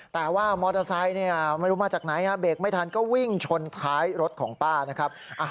แต่ว่ามอเตอร์ไซค์ไม่รู้มาจากไหนเบรกไม่ทันก็วิ่งชนท้ายรถของป้านะครับ